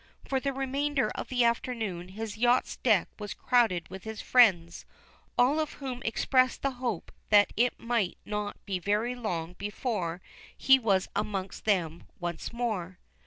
For the remainder of the afternoon his yacht's deck was crowded with his friends, all of whom expressed the hope that it might not be very long before he was amongst them once more.